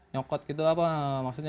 nyokot gitu apa maksudnya